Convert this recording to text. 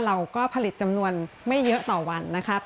เราก็ผลิตจำนวนไม่เยอะต่อวันนะครับ